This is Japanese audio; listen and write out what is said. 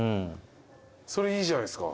それいいじゃないですか。